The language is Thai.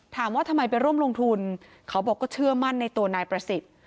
ถามว่าทำไมไปร่วมลงทุนเขาบอกก็เชื่อมั่นในตัวนายประสิทธิ์